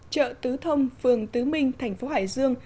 chợ tứ thông phường tứ minh thành phố hải dương